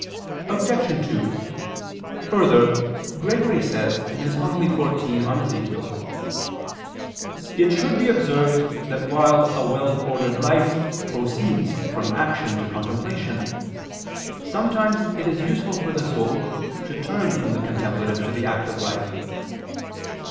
Obj. 2: Further, Gregory says (Hom. xiv in Ezech.): "It should be observed that while a well ordered life proceeds from action to contemplation, sometimes it is useful for the soul to turn from the contemplative to the active life."